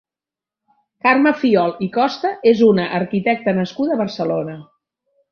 Carme Fiol i Costa és una arquitecta nascuda a Barcelona.